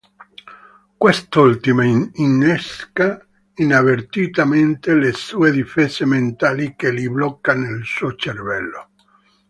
Quest'ultima innesca inavvertitamente le sue difese mentali che li blocca nel suo cervello.